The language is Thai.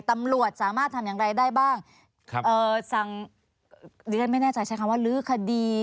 ตำรวจสามารถทำอย่างไรได้บ้างครับเอ่อสั่งดิฉันไม่แน่ใจใช้คำว่าลื้อคดี